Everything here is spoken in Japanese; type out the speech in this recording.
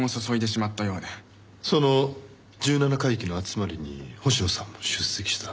その十七回忌の集まりに星野さんも出席した。